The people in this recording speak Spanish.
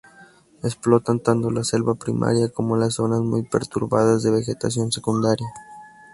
Explotan tanto la selva primaria como las zonas muy perturbadas de vegetación secundaria.